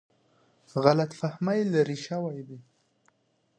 غلط فهمي لیرې شوې وای.